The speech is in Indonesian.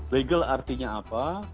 legal artinya apa